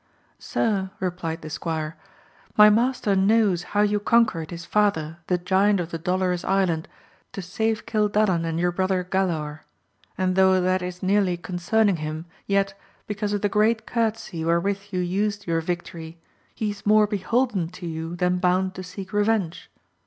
Sir, replied the squire, my master knows how you conquered his father, the giant of the Dolorous Island, to save Cil dadan and your brother Galaor ; and though that is nearly concerning him, yet, because of the great cour tesy wherewith you used your victory, he is more beholden to you than bound to seek revenge.